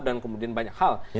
dan kemudian banyak hal